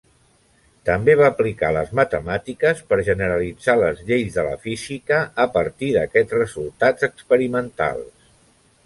També va aplicar les matemàtiques per generalitzar les lleis de la física a partir d'aquests resultats experimentals.